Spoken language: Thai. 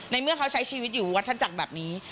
เมื่อเขาใช้ชีวิตอยู่วัฒนจักรแบบนี้